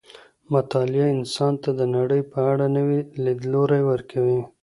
مطالعه انسان ته د نړۍ په اړه نوی ليدلوری ورکوي.